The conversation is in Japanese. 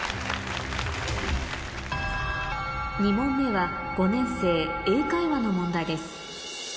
２問目は５年生英会話の問題です